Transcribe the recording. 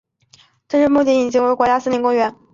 这些牧民现已迁离吉尔森林国家公园。